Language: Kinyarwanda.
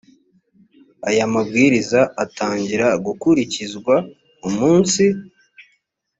aya mabwiriza atangira gukurikizwa umunsi